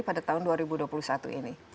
pada tahun dua ribu dua puluh satu ini